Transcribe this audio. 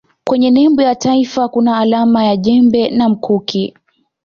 kwenye nembo ya taifa kuna alama ya jembe na mkuki